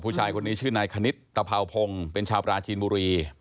ผู้ชายคนนี้ชื่อนายคณิตตะเภาพงศ์เป็นชาวปราจีนบุรี